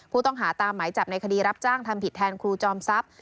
ผู้ต้องหาตามหมายจับในคดีรับจ้างทำผิดแทนครูจอมทรัพย์